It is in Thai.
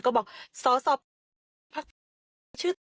ก็บอกสปธุ์